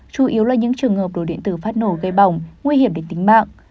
chủ yếu là những trường hợp đồ điện tử phát nổ gây bỏng nguy hiểm đến tính mạng